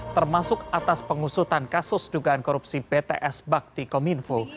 termasuk atas pengusutan kasus dugaan korupsi pts bakti kominfo